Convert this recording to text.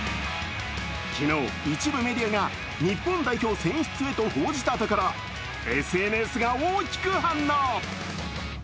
昨日、一部メディアが日本代表選出へと報じたところＳＮＳが大きく反応。